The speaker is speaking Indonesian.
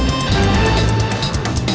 lo sudah bisa berhenti